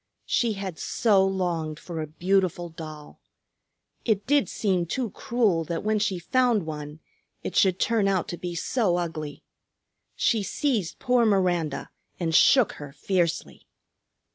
She had so longed for a beautiful doll! It did seem too cruel that when she found one it should turn out to be so ugly. She seized poor Miranda and shook her fiercely.